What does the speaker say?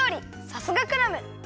さすがクラム！